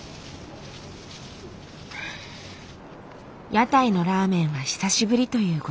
屋台のラーメンは久しぶりというご家族。